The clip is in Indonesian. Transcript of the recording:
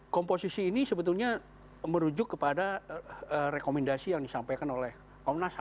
komposisi ini sebetulnya merujuk kepada rekomendasi yang disampaikan oleh komnas ham